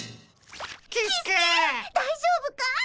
大丈夫かい？